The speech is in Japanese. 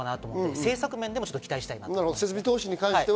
政策面でも期待したいと思います。